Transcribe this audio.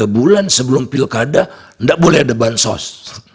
tiga bulan sebelum pilkada tidak boleh ada bansos